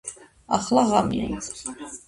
ახლა ღამეა